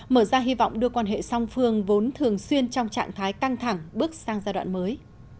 mở ra hy vọng đưa quan hệ song phương vốn thường xuyên trong trạng thái căng thẳng bước sang giai đoạn mới